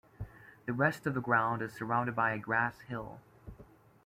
The rest of the ground is surrounded by a grass hill.